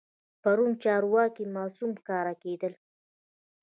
پرون چارواکي معصوم ښکارېدل.